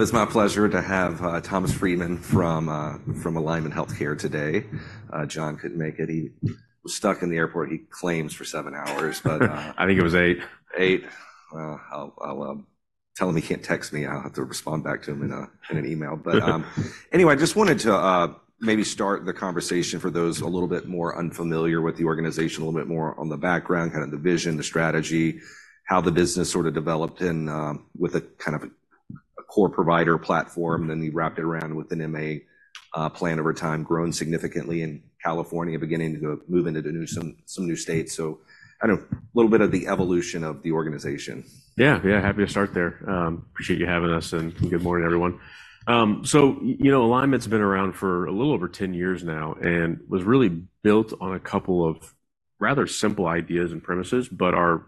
Well, it's my pleasure to have Thomas Freeman from Alignment Healthcare today. John couldn't make it. He was stuck in the airport, he claims, for seven hours, but, I think it was eight. Eight? Well, I'll, I'll tell him he can't text me, and I'll have to respond back to him in a, in an email. But, anyway, I just wanted to, maybe start the conversation for those a little bit more unfamiliar with the organization, a little bit more on the background, kind of the vision, the strategy, how the business sort of developed, and, with a kind of a core provider platform. Then you wrapped it around with an MA plan over time, grown significantly in California, beginning to move into the new some new states. So kind of a little bit of the evolution of the organization. Yeah, yeah, happy to start there. Appreciate you having us, and good morning, everyone. So, you know, Alignment's been around for a little over 10 years now and was really built on a couple of rather simple ideas and premises but are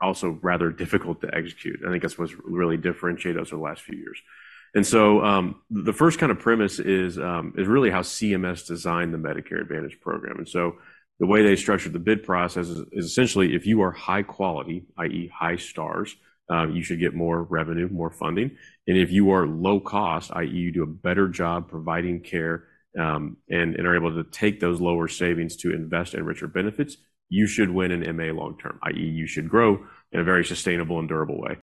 also rather difficult to execute. I think that's what's really differentiated us over the last few years. And so, the first kind of premise is really how CMS designed the Medicare Advantage program. And so the way they structured the bid process is essentially if you are high quality, i.e., high stars, you should get more revenue, more funding, and if you are low cost, i.e., you do a better job providing care, and are able to take those lower savings to invest in richer benefits, you should win in MA long term, i.e., you should grow in a very sustainable and durable way.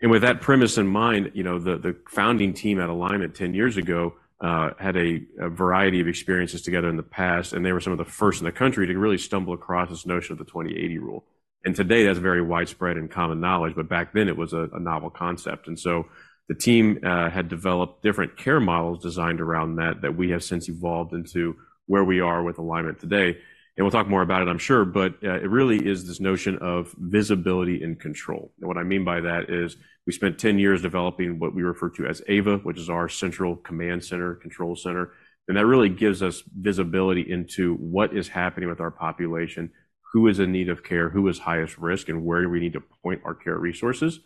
And with that premise in mind, you know, the founding team at Alignment 10 years ago had a variety of experiences together in the past, and they were some of the first in the country to really stumble across this notion of the 20/80 Rule, and today, that's very widespread and common knowledge, but back then, it was a novel concept. And so the team had developed different care models designed around that, that we have since evolved into where we are with Alignment today. And we'll talk more about it, I'm sure, but, it really is this notion of visibility and control. And what I mean by that is we spent 10 years developing what we refer to as AVA, which is our central command center, control center, and that really gives us visibility into what is happening with our population, who is in need of care, who is highest risk, and where we need to point our care resources.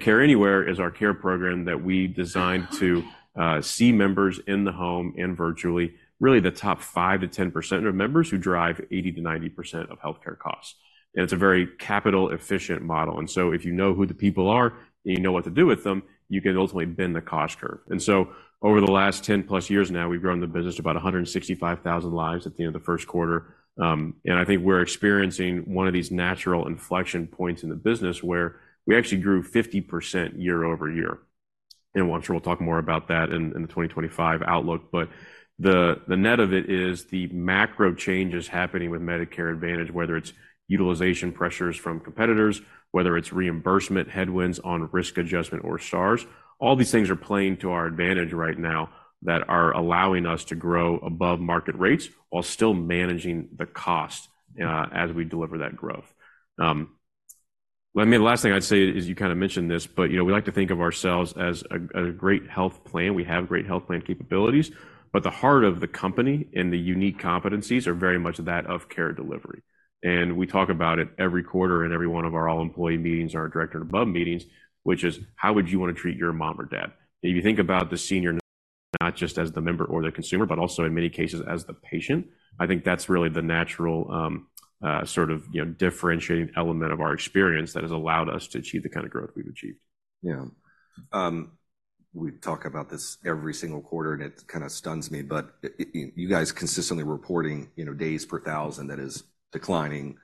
Care Anywhere is our care program that we designed to see members in the home and virtually, really the top 5%-10% of members who drive 80%-90% of healthcare costs, and it's a very capital-efficient model, and so if you know who the people are, and you know what to do with them, you can ultimately bend the cost curve. So over the last 10+ years now, we've grown the business to about 165,000 lives at the end of the first quarter, and I think we're experiencing one of these natural inflection points in the business where we actually grew 50% year-over-year. I'm sure we'll talk more about that in the 2025 outlook, but the net of it is the macro changes happening with Medicare Advantage, whether it's utilization pressures from competitors, whether it's reimbursement headwinds on risk adjustment or stars, all these things are playing to our advantage right now that are allowing us to grow above market rates while still managing the cost as we deliver that growth. I mean, the last thing I'd say is you kind of mentioned this, but you know, we like to think of ourselves as a great health plan. We have great health plan capabilities, but the heart of the company and the unique competencies are very much that of care delivery. We talk about it every quarter in every one of our all-employee meetings, our director and above meetings, which is: How would you want to treat your mom or dad? If you think about the senior, not just as the member or the consumer, but also in many cases, as the patient, I think that's really the natural, sort of, you know, differentiating element of our experience that has allowed us to achieve the kind of growth we've achieved. Yeah. We talk about this every single quarter, and it kind of stuns me, but you guys consistently reporting, you know, days per thousand, that is declining,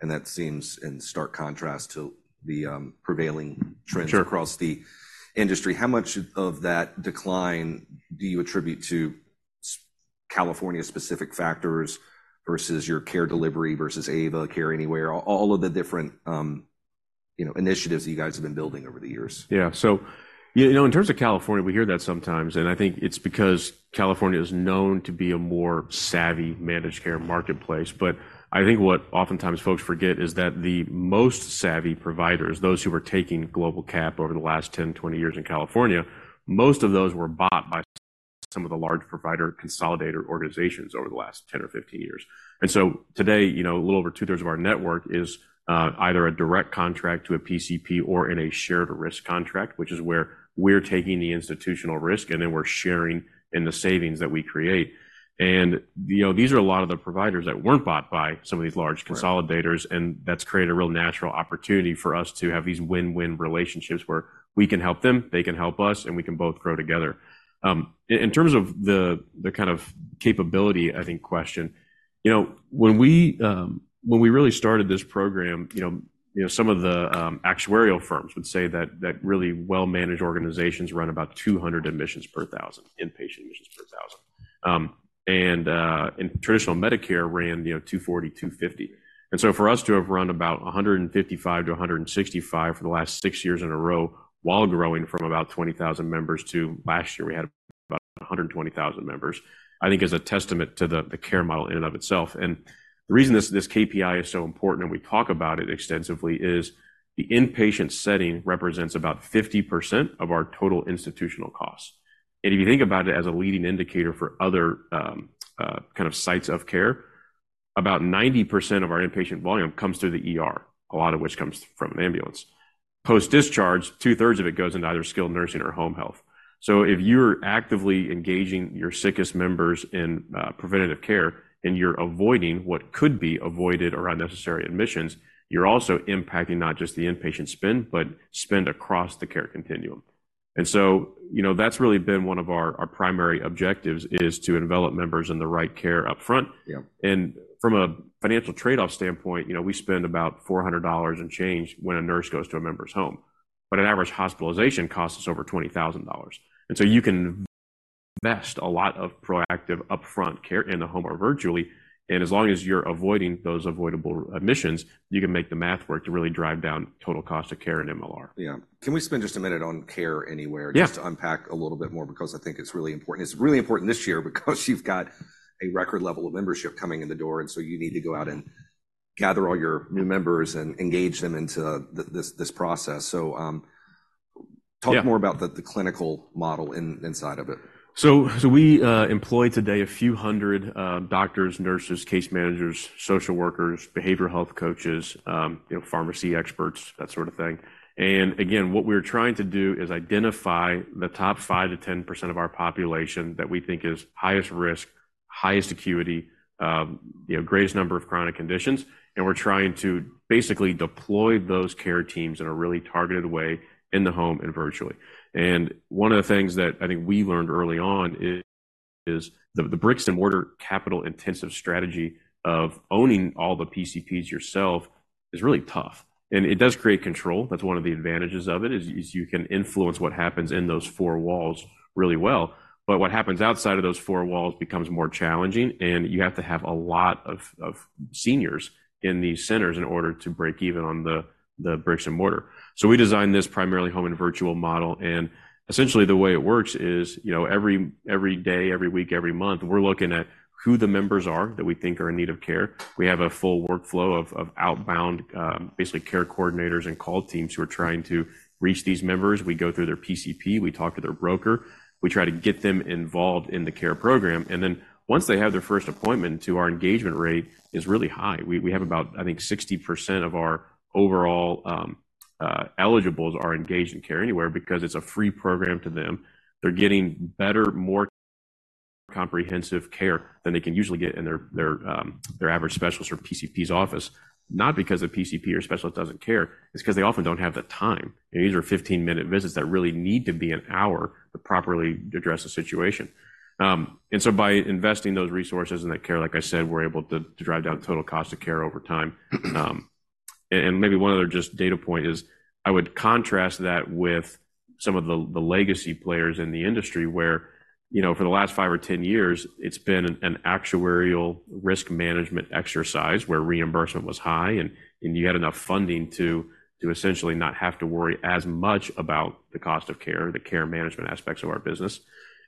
and that seems in stark contrast to the prevailing- Sure... trends across the industry. How much of that decline do you attribute to Southern California-specific factors versus your care delivery, versus AVA, Care Anywhere, all, all of the different, you know, initiatives you guys have been building over the years? Yeah. So, you know, in terms of California, we hear that sometimes, and I think it's because California is known to be a more savvy managed care marketplace. But I think what oftentimes folks forget is that the most savvy providers, those who are taking global cap over the last 10, 20 years in California, most of those were bought by some of the large provider consolidator organizations over the last 10 or 15 years. And so today, you know, a little over two-thirds of our network is either a direct contract to a PCP or in a shared risk contract, which is where we're taking the institutional risk, and then we're sharing in the savings that we create. And, you know, these are a lot of the providers that weren't bought by some of these large consolidators- Right. - and that's created a real natural opportunity for us to have these win-win relationships where we can help them, they can help us, and we can both grow together. In terms of the kind of capability, I think, question, you know, when we really started this program, you know, some of the actuarial firms would say that really well-managed organizations run about 200 admissions per thousand, inpatient admissions per thousand. Traditional Medicare ran, you know, $240, $250, and so for us to have run about $155-$165 for the last six years in a row while growing from about 20,000 members to last year, we had about 120,000 members, I think is a testament to the, the care model in and of itself. And the reason this, this KPI is so important, and we talk about it extensively, is the inpatient setting represents about 50% of our total institutional costs. And if you think about it as a leading indicator for other kind of sites of care, about 90% of our inpatient volume comes through the ER, a lot of which comes from an ambulance. Post-discharge, 2/3 of it goes into either skilled nursing or home health. So if you're actively engaging your sickest members in preventative care, and you're avoiding what could be avoided or unnecessary admissions, you're also impacting not just the inpatient spend, but spend across the care continuum. You know, that's really been one of our primary objectives, is to envelop members in the right care upfront. Yeah. From a financial trade-off standpoint, you know, we spend about $400 and change when a nurse goes to a member's home. But an average hospitalization costs over $20,000, and so you can invest a lot of proactive upfront care in the home or virtually, and as long as you're avoiding those avoidable admissions, you can make the math work to really drive down total cost of care and MLR. Yeah. Can we spend just a minute on Care Anywhere? Yeah. Just to unpack a little bit more because I think it's really important. It's really important this year because you've got a record level of membership coming in the door, and so you need to go out and gather all your new members and engage them into this, this process. So, talk- Yeah... more about the clinical model inside of it. So we employ today a few hundred doctors, nurses, case managers, social workers, behavioral health coaches, you know, pharmacy experts, that sort of thing. And again, what we're trying to do is identify the top 5%-10% of our population that we think is highest risk, highest acuity, you know, greatest number of chronic conditions, and we're trying to basically deploy those care teams in a really targeted way in the home and virtually. And one of the things that I think we learned early on is the bricks-and-mortar capital intensive strategy of owning all the PCPs yourself is really tough. And it does create control, that's one of the advantages of it, is you can influence what happens in those four walls really well. But what happens outside of those four walls becomes more challenging, and you have to have a lot of seniors in these centers in order to break even on the bricks and mortar. So we designed this primarily home and virtual model, and essentially, the way it works is, you know, every day, every week, every month, we're looking at who the members are that we think are in need of care. We have a full workflow of outbound, basically, care coordinators and call teams who are trying to reach these members. We go through their PCP, we talk to their broker, we try to get them involved in the care program, and then once they have their first appointment to our engagement rate, is really high. We have about, I think, 60% of our overall eligibles are engaged in Care Anywhere because it's a free program to them. They're getting better, more comprehensive care than they can usually get in their average specialist or PCPs office. Not because the PCP or specialist doesn't care, it's 'cause they often don't have the time, and these are 15-minute visits that really need to be an hour to properly address the situation. And so by investing those resources in that care, like I said, we're able to drive down total cost of care over time. And maybe one other just data point is, I would contrast that with some of the legacy players in the industry where, you know, for the last five or 10 years, it's been an actuarial risk management exercise where reimbursement was high, and you had enough funding to essentially not have to worry as much about the cost of care, the care management aspects of our business.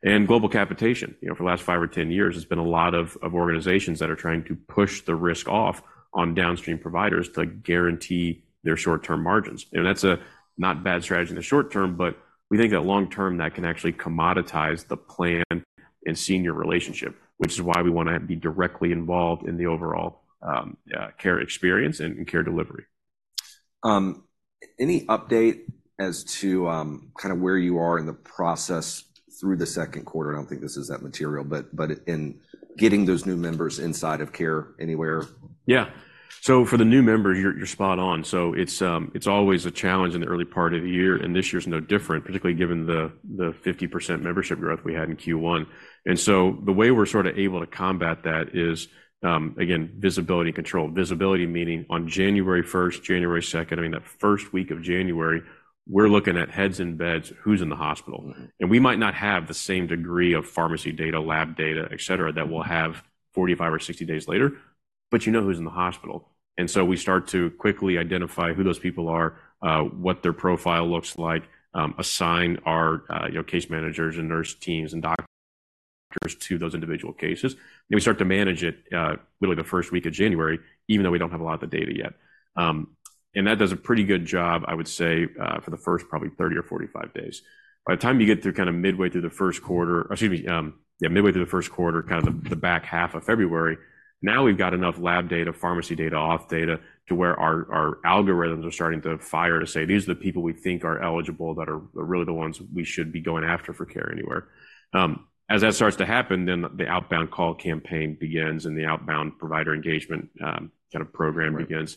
And global capitation, you know, for the last five or 10 years, it's been a lot of organizations that are trying to push the risk off on downstream providers to guarantee their short-term margins. That's not a bad strategy in the short term, but we think that long term, that can actually commoditize the plan and senior relationship, which is why we wanna be directly involved in the overall, care experience and care delivery. Any update as to, kind of where you are in the process through the second quarter? I don't think this is that material, but in getting those new members inside of Care Anywhere. Yeah. So for the new member, you're, you're spot on. So it's, it's always a challenge in the early part of the year, and this year is no different, particularly given the 50% membership growth we had in Q1. And so the way we're sorta able to combat that is, again, visibility, control. Visibility, meaning on January first, January second, I mean, that first week of January, we're looking at heads in beds, who's in the hospital? Mm-hmm. We might not have the same degree of pharmacy data, lab data, et cetera, that we'll have 45 or 60 days later, but you know who's in the hospital. And so we start to quickly identify who those people are, what their profile looks like, assign our, you know, case managers, and nurse teams, and doctors to those individual cases. Then we start to manage it really the first week of January, even though we don't have a lot of the data yet. And that does a pretty good job, I would say, for the first, probably 30 or 45 days. By the time you get through midway through the first quarter, kinda the back half of February, now we've got enough lab data, pharmacy data, auth data, to where our algorithms are starting to fire to say: These are the people we think are eligible, that are really the ones we should be going after for Care Anywhere. As that starts to happen, then the outbound call campaign begins, and the outbound provider engagement, kind of program begins.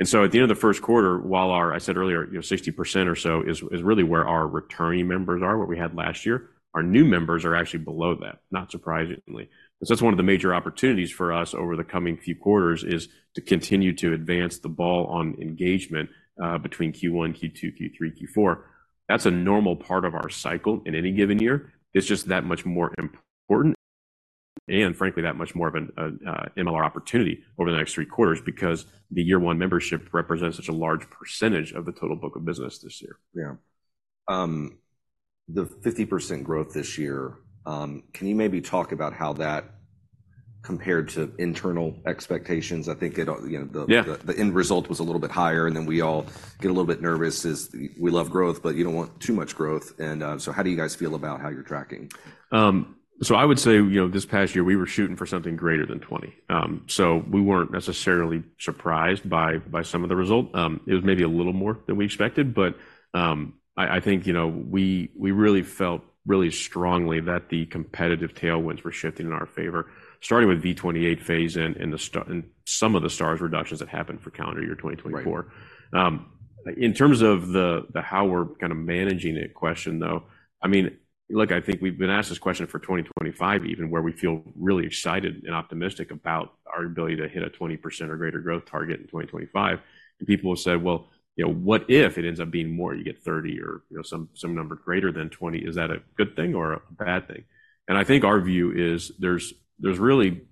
Right. So at the end of the first quarter, while our, I said earlier, you know, 60% or so is really where our returning members are, what we had last year, our new members are actually below that, not surprisingly. That's one of the major opportunities for us over the coming few quarters, is to continue to advance the ball on engagement between Q1, Q2, Q3, Q4. That's a normal part of our cycle in any given year. It's just that much more important, and frankly, that much more of an MLR opportunity over the next three quarters because the year one membership represents such a large percentage of the total book of business this year. Yeah. The 50% growth this year, can you maybe talk about how that compared to internal expectations? I think, it, you know, the- Yeah... the end result was a little bit higher, and then we all get a little bit nervous as we love growth, but you don't want too much growth. And so how do you guys feel about how you're tracking? So I would say, you know, this past year we were shooting for something greater than 20. So we weren't necessarily surprised by some of the result. It was maybe a little more than we expected, but, I think, you know, we really felt really strongly that the competitive tailwinds were shifting in our favor, starting with V28 phase in, and the Star Ratings reductions that happened for calendar year 2024. Right.... In terms of the how we're kind of managing it question, though, I mean, look, I think we've been asked this question for 2025, even where we feel really excited and optimistic about our ability to hit a 20% or greater growth target in 2025. And people have said, "Well, you know, what if it ends up being more, you get 30 or, you know, some number greater than 20%? Is that a good thing or a bad thing?" And I think our view is there's really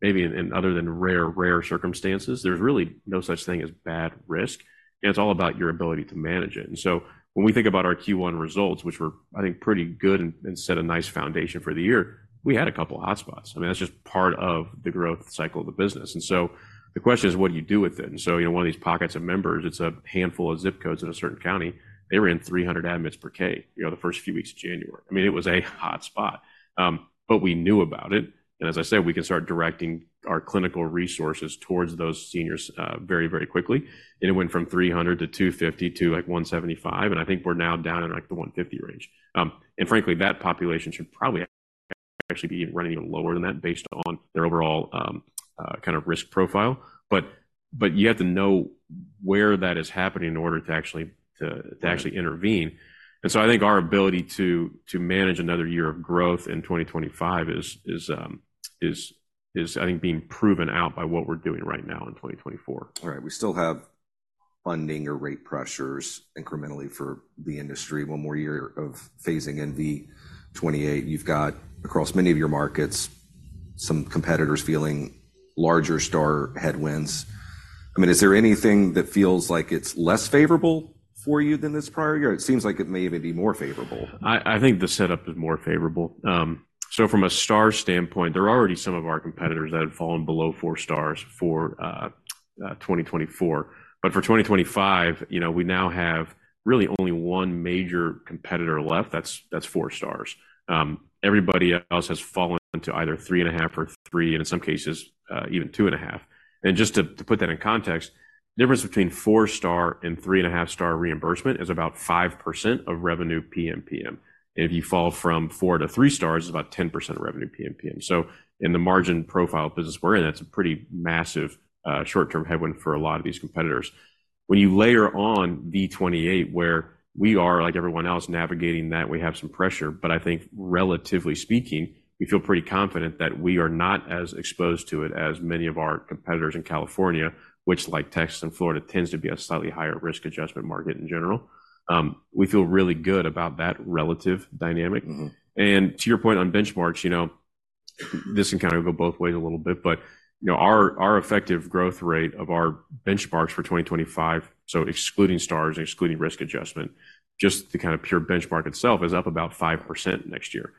maybe in other than rare circumstances, there's really no such thing as bad risk, and it's all about your ability to manage it. And so when we think about our Q1 results, which were, I think, pretty good and set a nice foundation for the year, we had a couple of hotspots. I mean, that's just part of the growth cycle of the business. And so the question is: what do you do with it? And so, you know, one of these pockets of members, it's a handful of zip codes in a certain county. They were in 300 admits per K, you know, the first few weeks of January. I mean, it was a hotspot, but we knew about it. And as I said, we can start directing our clinical resources towards those seniors, very, very quickly. And it went from 300 to 250 to, like, 175, and I think we're now down in, like, the 150 range. And frankly, that population should probably actually be running even lower than that based on their overall, kind of risk profile. But you have to know where that is happening in order to actually intervene. And so I think our ability to manage another year of growth in 2025 is, I think, being proven out by what we're doing right now in 2024. All right. We still have funding or rate pressures incrementally for the industry. One more year of phasing in the 28. You've got, across many of your markets, some competitors feeling larger Star headwinds. I mean, is there anything that feels like it's less favorable for you than this prior year? It seems like it may even be more favorable. I think the setup is more favorable. So from a star standpoint, there are already some of our competitors that have fallen below four stars for 2024. But for 2025, you know, we now have really only one major competitor left. That's four stars. Everybody else has fallen to either 3.5-star or 3-stars, and in some cases, even 2.5-star. And just to put that in context, difference between 4-star and 3.5-star reimbursement is about 5% of revenue PMPM. And if you fall from four to 3-stars, it's about 10% of revenue PMPM. So in the margin profile business we're in, that's a pretty massive short-term headwind for a lot of these competitors. When you layer on V28, where we are, like everyone else, navigating that, we have some pressure. But I think relatively speaking, we feel pretty confident that we are not as exposed to it as many of our competitors in California, which, like Texas and Florida, tends to be a slightly higher risk adjustment market in general. We feel really good about that relative dynamic. Mm-hmm. To your point on benchmarks, you know, this can go both ways a little bit, but, you know, our, our effective growth rate of our benchmarks for 2025, so excluding stars and excluding risk adjustment, just the kind of pure benchmark itself is up about 5% next year.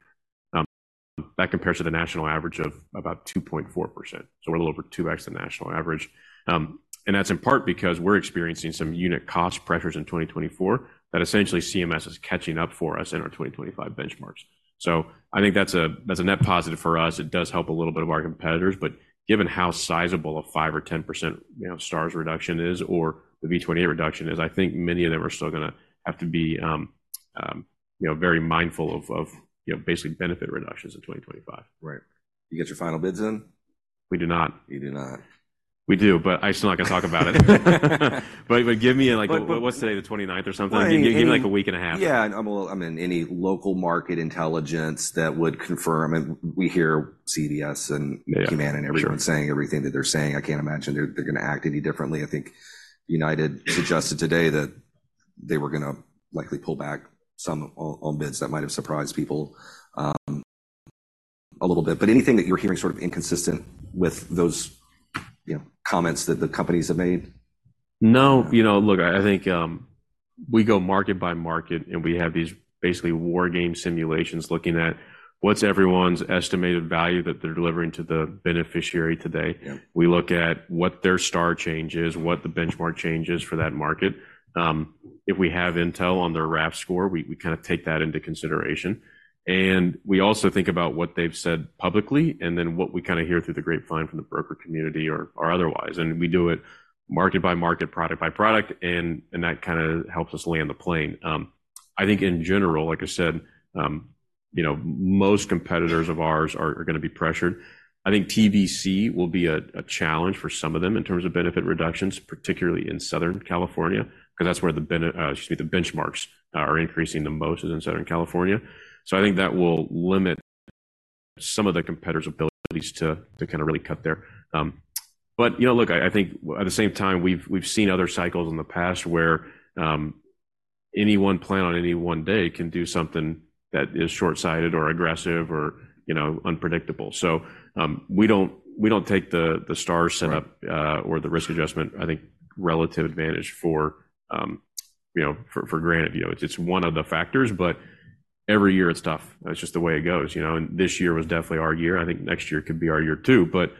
That compares to the national average of about 2.4%, so we're a little over 2x the national average. And that's in part because we're experiencing some unit cost pressures in 2024, that essentially CMS is catching up for us in our 2025 benchmarks. So I think that's a, that's a net positive for us. It does help a little bit of our competitors, but given how sizable a 5% or 10%, you know, stars reduction is or the V28 reduction is, I think many of them are still gonna have to be, you know, very mindful of, you know, basically benefit reductions in 2025. Right. You get your final bids in? We do not. You do not. We do, but I'm still not gonna talk about it. But give me, like, what's today, the 29th or something? Give me, like, a week and a half. Yeah, well, I mean, any local market intelligence that would confirm, and we hear CVS and- Yeah ...Humana and everyone. Sure... saying everything that they're saying. I can't imagine they're gonna act any differently. I think United suggested today that they were gonna likely pull back some on bids. That might have surprised people a little bit, but anything that you're hearing sort of inconsistent with those, you know, comments that the companies have made? No. You know, look, I think, we go market by market, and we have these basically war game simulations, looking at what's everyone's estimated value that they're delivering to the beneficiary today. Yeah. We look at what their star change is, what the benchmark change is for that market. If we have intel on their RAF score, we kind of take that into consideration. And we also think about what they've said publicly, and then what we kinda hear through the grapevine from the broker community or otherwise. And we do it market by market, product by product, and that kinda helps us land the plane. I think in general, like I said, you know, most competitors of ours are gonna be pressured. I think TBC will be a challenge for some of them in terms of benefit reductions, particularly in Southern California, because that's where the benchmarks are increasing the most is in Southern California. So I think that will limit some of the competitors' abilities to kinda really cut there. But, you know, look, I think at the same time, we've seen other cycles in the past where any one plan on any one day can do something that is short-sighted or aggressive or, you know, unpredictable. So we don't take the star setup- Right... or the risk adjustment, I think, relative advantage for, you know, for granted. You know, it's one of the factors, but every year it's tough. That's just the way it goes, you know, and this year was definitely our year. I think next year could be our year too. But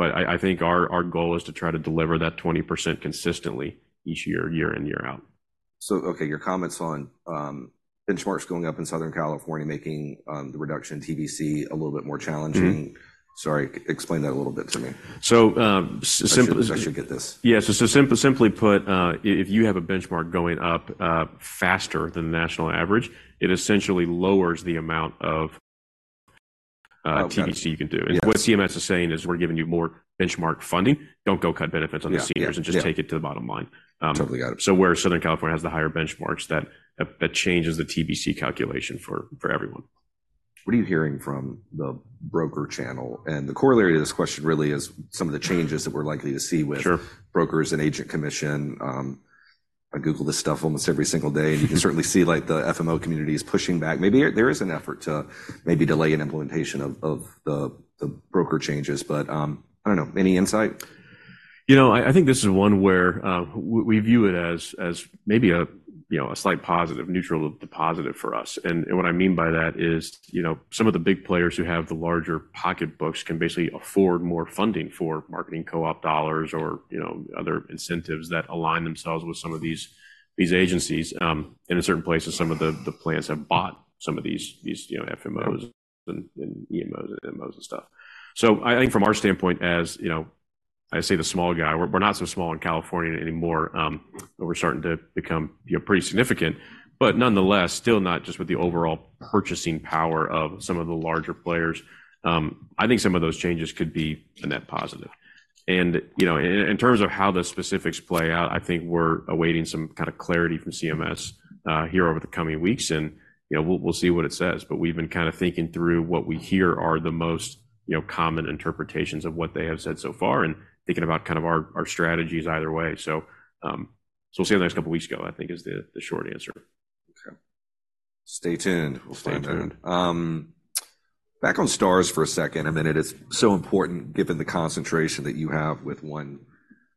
I think our goal is to try to deliver that 20% consistently each year, year in, year out. Okay, your comments on benchmarks going up in Southern California, making the reduction in TBC a little bit more challenging. Mm-hmm. Sorry, explain that a little bit to me. So, I should get this. Yes, so simply put, if you have a benchmark going up faster than the national average, it essentially lowers the amount TBC can do. Yes. What CMS is saying is, we're giving you more benchmark funding, don't go cut benefits on the seniors- Yeah. Yeah. and just take it to the bottom line. Totally got it. So where Southern California has the higher benchmarks, that changes the TBC calculation for everyone. What are you hearing from the broker channel? And the corollary to this question really is some of the changes that we're likely to see with- Sure... brokers and agent commission. I Google this stuff almost every single day, and you can certainly see, like, the FMO community is pushing back. Maybe there is an effort to maybe delay an implementation of the broker changes, but I don't know, any insight? You know, I think this is one where we view it as maybe a slight positive, neutral to positive for us. And what I mean by that is, you know, some of the big players who have the larger pocketbooks can basically afford more funding for marketing co-op dollars or, you know, other incentives that align themselves with some of these agencies. In a certain places, some of the plans have bought some of these FMOs- Right... and IMOs, and MOs, and stuff. So I think from our standpoint, as you know, I say the small guy, we're not so small in California anymore, but we're starting to become, you know, pretty significant. But nonetheless, still not just with the overall purchasing power of some of the larger players. I think some of those changes could be a net positive. And, you know, in terms of how the specifics play out, I think we're awaiting some kind of clarity from CMS here over the coming weeks, and, you know, we'll see what it says. But we've been kind of thinking through what we hear are the most, you know, common interpretations of what they have said so far, and thinking about kind of our strategies either way. We'll see you in the next couple of weeks or so, I think is the short answer. Okay. Stay tuned. Stay tuned. Back on stars for a second, I mean, it is so important, given the concentration that you have with one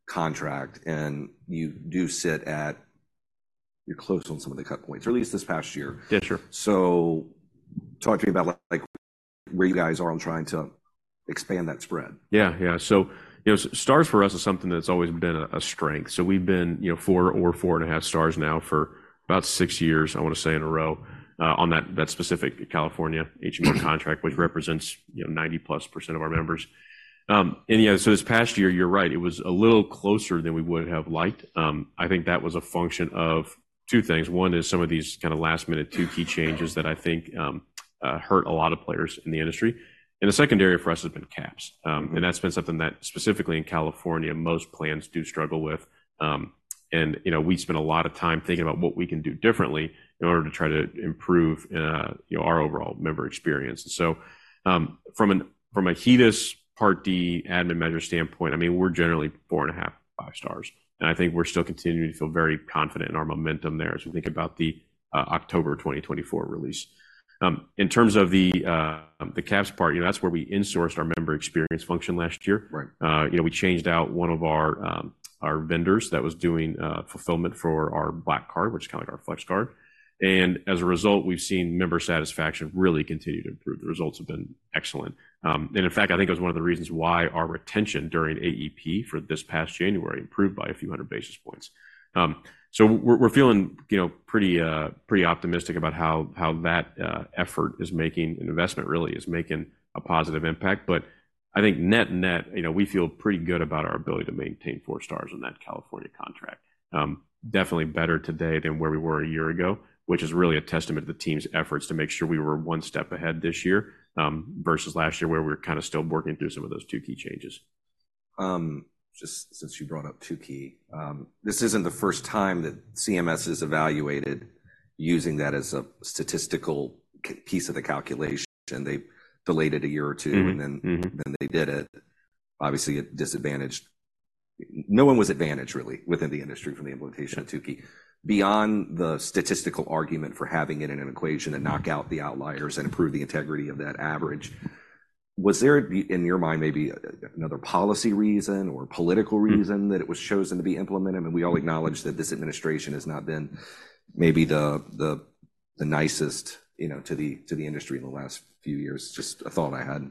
contract, and you do sit at... You're close on some of the cut points, or at least this past year. Yeah, sure. Talk to me about, like, where you guys are on trying to expand that spread. Yeah, yeah. So, you know, stars for us is something that's always been a strength. So we've been, you know, four or 4.5 stars now for about six years, I want to say, in a row on that specific California HMO contract, which represents, you know, 90%+ of our members. And, yeah, so this past year, you're right, it was a little closer than we would have liked. I think that was a function of two things. One is some of these kind of last-minute Tukey changes that I think hurt a lot of players in the industry, and the second area for us has been caps. And that's been something that, specifically in California, most plans do struggle with. You know, we spend a lot of time thinking about what we can do differently in order to try to improve, you know, our overall member experience. So, from a HEDIS Part D, and a measure standpoint, I mean, we're generally 4.5-5 stars, and I think we're still continuing to feel very confident in our momentum there as we think about the October 2024 release. In terms of the caps part, you know, that's where we insourced our member experience function last year. Right. You know, we changed out one of our, our vendors that was doing, fulfillment for our Black Card, which is kind of like our flex card. And as a result, we've seen member satisfaction really continue to improve. The results have been excellent. And in fact, I think it was one of the reasons why our retention during AEP for this past January improved by a few hundred basis points. So we're, we're feeling, you know, pretty, pretty optimistic about how, how that effort is making, an investment really, is making a positive impact. But I think net-net, you know, we feel pretty good about our ability to maintain 4-stars on that California contract. Definitely better today than where we were a year ago, which is really a testament to the team's efforts to make sure we were one step ahead this year, versus last year, where we're kind of still working through some of those Tukey changes. Just since you brought up Tukey, this isn't the first time that CMS has evaluated using that as a statistical piece of the calculation. They've delayed it a year or two- Mm-hmm, mm-hmm... and then, then they did it. Obviously, it disadvantaged—no one was advantaged, really, within the industry from the implementation of Tukey. Beyond the statistical argument for having it in an equation and knock out the outliers and improve the integrity of that average, was there, in your mind, maybe a, a, another policy reason or political reason- Mm... that it was chosen to be implemented? I mean, we all acknowledge that this administration has not been maybe the nicest, you know, to the industry in the last few years. Just a thought I had.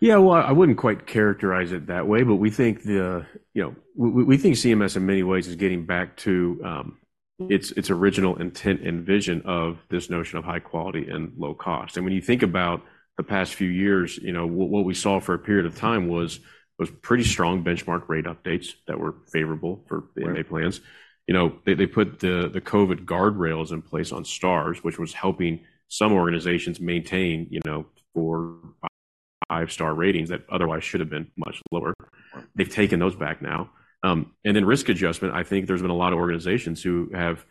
Yeah, well, I wouldn't quite characterize it that way, but we think, you know, we think CMS, in many ways, is getting back to its original intent and vision of this notion of high quality and low cost. When you think about the past few years, you know, what we saw for a period of time was pretty strong benchmark rate updates that were favorable for MA plans. Right. You know, they put the COVID guardrails in place on stars, which was helping some organizations maintain, you know, 4-star, 5-star ratings that otherwise should have been much lower. Right. They've taken those back now. And then risk adjustment, I think there's been a lot of organizations who have,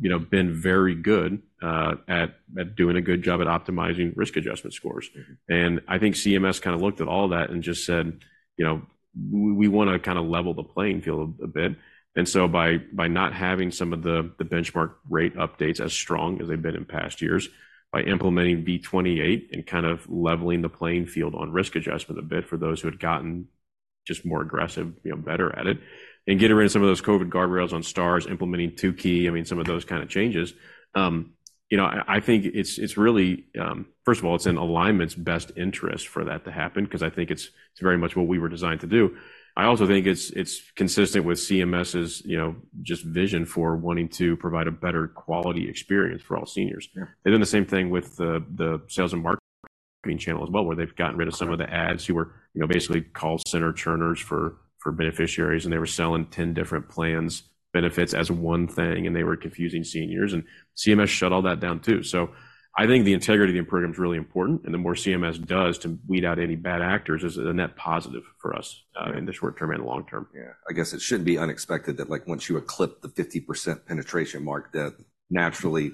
you know, been very good at doing a good job at optimizing risk adjustment scores. Mm-hmm. And I think CMS kind of looked at all that and just said, "You know, we want to kind of level the playing field a bit." And so by not having some of the benchmark rate updates as strong as they've been in past years, by implementing V28 and kind of leveling the playing field on risk adjustment a bit for those who had gotten just more aggressive, you know, better at it, and getting rid of some of those COVID guardrails on stars, implementing Tukey, I mean, some of those kind of changes. You know, I think it's really, first of all, it's in Alignment's best interest for that to happen 'cause I think it's very much what we were designed to do. I also think it's, it's consistent with CMS's, you know, just vision for wanting to provide a better quality experience for all seniors. Yeah. They've done the same thing with the sales and marketing channel as well, where they've gotten rid of some of the agents who were, you know, basically call center churners for beneficiaries, and they were selling 10 different plans, benefits as one thing, and they were confusing seniors, and CMS shut all that down, too. I think the integrity of the program is really important, and the more CMS does to weed out any bad actors is a net positive for us, in the short term and long term. Yeah, I guess it shouldn't be unexpected that, like, once you eclipse the 50% penetration mark, that naturally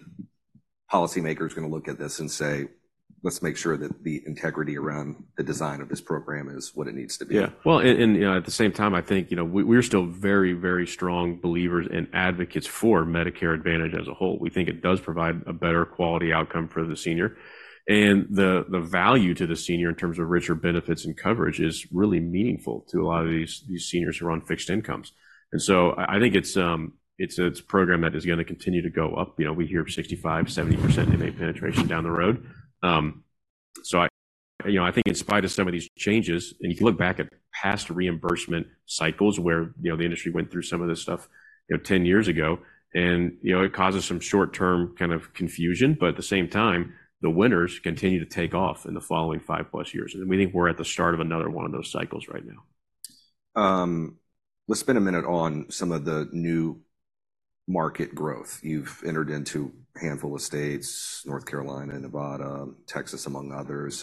policymakers are gonna look at this and say, "Let's make sure that the integrity around the design of this program is what it needs to be. Yeah. Well, and you know, at the same time, I think you know, we, we're still very, very strong believers and advocates for Medicare Advantage as a whole. We think it does provide a better quality outcome for the senior. And the, the value to the senior in terms of richer benefits and coverage is really meaningful to a lot of these, these seniors who are on fixed incomes. And so I, I think it's, it's a program that is gonna continue to go up. You know, we hear 65%-70% MA penetration down the road. So, you know, I think in spite of some of these changes, and you can look back at past reimbursement cycles where, you know, the industry went through some of this stuff, you know, 10 years ago, and, you know, it causes some short-term kind of confusion, but at the same time, the winners continue to take off in the following 5+ years. And we think we're at the start of another one of those cycles right now. Let's spend a minute on some of the new market growth. You've entered into a handful of states, North Carolina, Nevada, Texas, among others.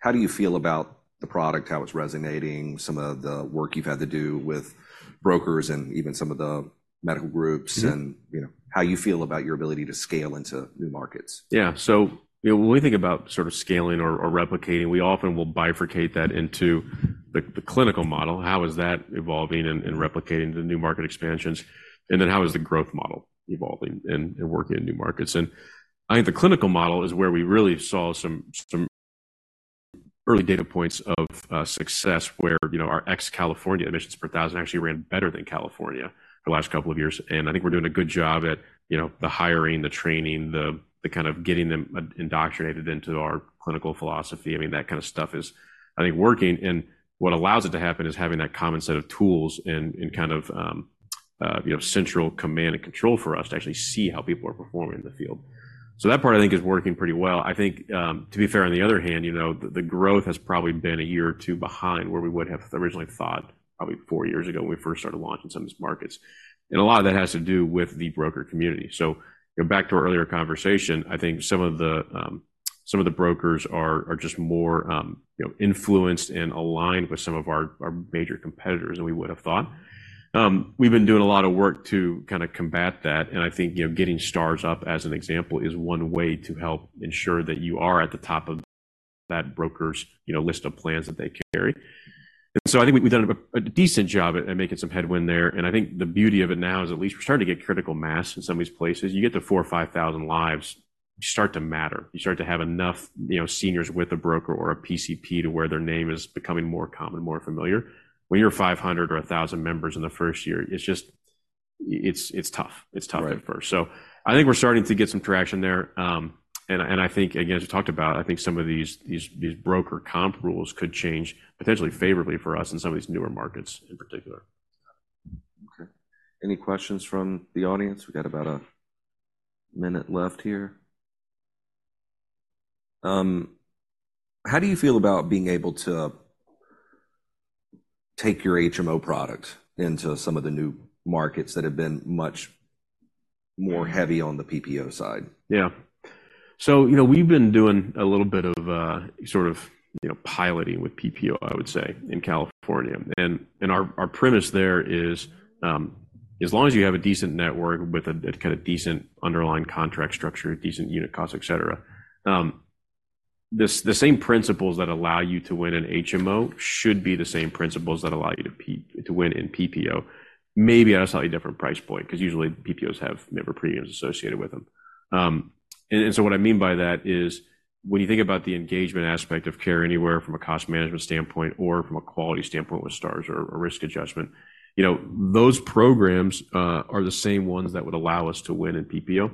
How do you feel about the product, how it's resonating, some of the work you've had to do with brokers and even some of the medical groups- Mm-hmm. And, you know, how you feel about your ability to scale into new markets? Yeah. So, you know, when we think about sort of scaling or replicating, we often will bifurcate that into the clinical model, how is that evolving and replicating to new market expansions, and then how is the growth model evolving and working in new markets? And I think the clinical model is where we really saw some early data points of success, where, you know, our ex-California admissions per thousand actually ran better than California for the last couple of years. And I think we're doing a good job at, you know, the hiring, the training, the kind of getting them indoctrinated into our clinical philosophy. I mean, that kind of stuff is, I think, working. What allows it to happen is having that common set of tools and kind of, you know, central command and control for us to actually see how people are performing in the field. That part, I think, is working pretty well. I think, to be fair, on the other hand, you know, the growth has probably been a year or two behind where we would have originally thought, probably four years ago, when we first started launching some of these markets, and a lot of that has to do with the broker community. You know, back to our earlier conversation, I think some of the brokers are just more, you know, influenced and aligned with some of our major competitors than we would have thought. We've been doing a lot of work to kind of combat that, and I think, you know, getting stars up, as an example, is one way to help ensure that you are at the top of that broker's, you know, list of plans that they carry. And so I think we've done a decent job at making some headway there, and I think the beauty of it now is at least we're starting to get critical mass in some of these places. You get to 4,000 or 5,000 lives, you start to matter. You start to have enough, you know, seniors with a broker or a PCP to where their name is becoming more common, more familiar. When you're 500 or 1,000 members in the first year, it's just... it's tough. It's tough at first. Right. So I think we're starting to get some traction there. And I think, again, as we talked about, I think some of these broker comp rules could change, potentially favorably for us in some of these newer markets in particular. Okay. Any questions from the audience? We've got about a minute left here. How do you feel about being able to take your HMO product into some of the new markets that have been much more heavy on the PPO side? Yeah. So, you know, we've been doing a little bit of sort of, you know, piloting with PPO, I would say, in California. And our premise there is, as long as you have a decent network with a kind of decent underlying contract structure, decent unit cost, et cetera, the same principles that allow you to win in HMO should be the same principles that allow you to win in PPO, maybe at a slightly different price point, because usually PPOs have member premiums associated with them. And so what I mean by that is, when you think about the engagement aspect of Care Anywhere from a cost management standpoint or from a quality standpoint with stars or risk adjustment, you know, those programs are the same ones that would allow us to win in PPO,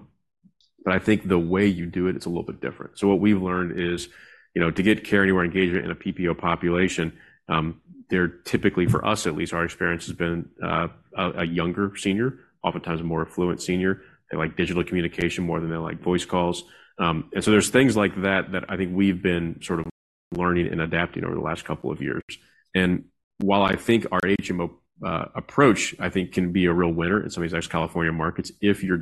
but I think the way you do it, it's a little bit different. So what we've learned is, you know, to get Care Anywhere engagement in a PPO population, they're typically, for us at least, our experience has been, a younger senior, oftentimes a more affluent senior. They like digital communication more than they like voice calls. And so there's things like that, that I think we've been sort of learning and adapting over the last couple of years. While I think our HMO approach, I think, can be a real winner in some of these ex-California markets, if you're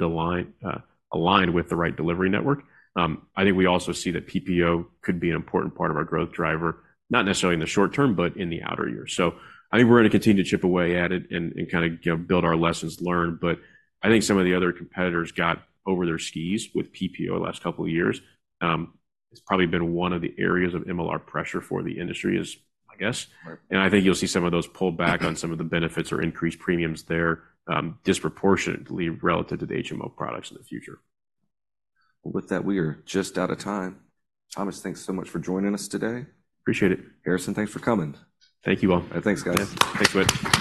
aligned with the right delivery network, I think we also see that PPO could be an important part of our growth driver, not necessarily in the short term, but in the outer years. I think we're gonna continue to chip away at it and kind of, you know, build our lessons learned, but I think some of the other competitors got over their skis with PPO the last couple of years. It's probably been one of the areas of MLR pressure for the industry, is my guess. Right. I think you'll see some of those pull back on some of the benefits or increased premiums there, disproportionately relative to the HMO products in the future. With that, we are just out of time. Thomas, thanks so much for joining us today. Appreciate it. Harrison, thanks for coming. Thank you all. Thanks, guys. Thanks, Whit.